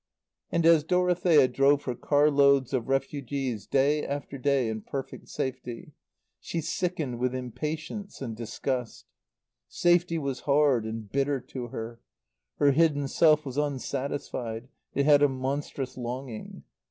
And as Dorothea drove her car loads of refugees day after day in perfect safety, she sickened with impatience and disgust. Safety was hard and bitter to her. Her hidden self was unsatisfied; it had a monstrous longing.